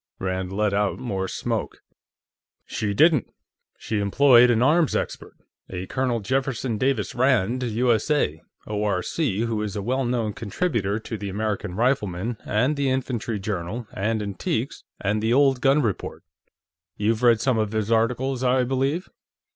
Rand let out more smoke. "She didn't. She employed an arms expert, a Colonel Jefferson Davis Rand, U.S.A., O.R.C., who is a well known contributor to the American Rifleman and the Infantry Journal and Antiques and the old Gun Report. You've read some of his articles, I believe?"